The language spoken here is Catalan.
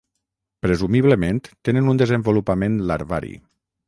Presumiblement tenen un desenvolupament larvari.